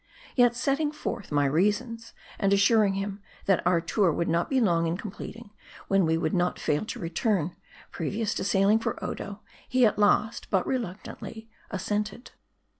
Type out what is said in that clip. Yet, setting forth my reasons ; and assuring him, that our tour would not be long in completing, when we would not fail to return, previous to sailing for Odo, he at last, but reluctantly, assented.